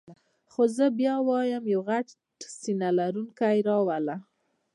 خو زه بیا وایم یو غټ سینه لرونکی را وله.